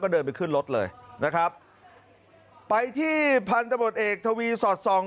เดินไปขึ้นรถเลยนะครับไปที่พันธบทเอกทวีสอดส่อง